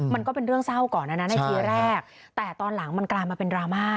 มันก็เป็นเรื่องเศร้าก่อนนะนะในทีแรกแต่ตอนหลังมันกลายมาเป็นดราม่า